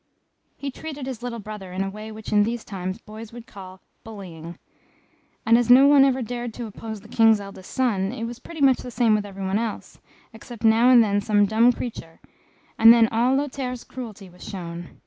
He treated his little brother in a way which in these times boys would call bullying; and, as no one ever dared to oppose the King's eldest son, it was pretty much the same with every one else, except now and then some dumb creature, and then all Lothaire's cruelty was shown.